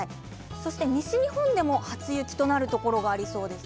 そして西日本でも初雪となるところがありそうです。